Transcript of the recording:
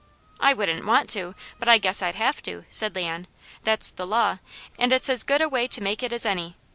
"I wouldn't want to, but I guess I'd have to," said Leon. "That's the law, and it's as good a way to make it as any.